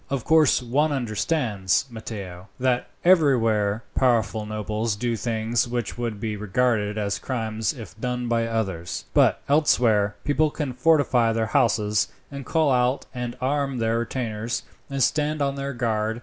"Of course one understands, Matteo, that everywhere powerful nobles do things which would be regarded as crimes if done by others; but, elsewhere, people can fortify their houses, and call out and arm their retainers, and stand on their guard.